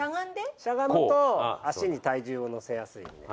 しゃがむと足に体重を乗せやすいんで。